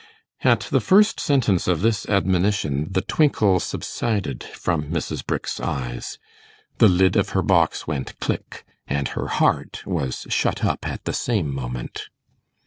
At the first sentence of this admonition, the twinkle subsided from Mrs. Brick's eyes. The lid of her box went 'click!' and her heart was shut up at the same moment.